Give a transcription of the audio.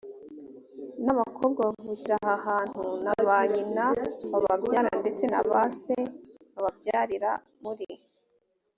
n abakobwa bavukira aha hantu na ba nyina bababyara ndetse na ba se bababyarira muri